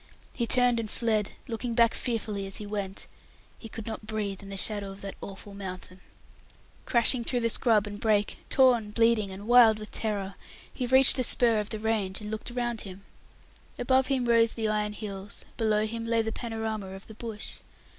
He turned and fled, looking back fearfully as he went. He could not breathe in the shadow of that awful mountain. Crashing through scrub and brake, torn, bleeding, and wild with terror, he reached a spur on the range, and looked around him. Above him rose the iron hills, below him lay the panorama of the bush.